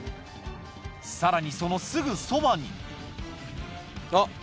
さらにそのすぐそばにあっ！